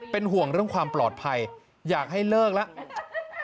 เป็นห่วงเรื่องความปลอดภัยอยากให้เลิกแล้ว